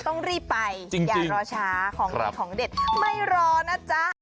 ต้องรีบไปอย่ารอช้าของดีของเด็ดไม่รอนะจ๊ะ